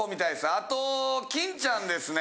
あと金ちゃんですね